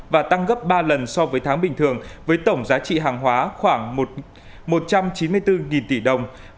và tăng gấp ba lần so với tháng bình thường với tổng giá trị hàng hóa khoảng một trăm chín mươi bốn tỷ đồng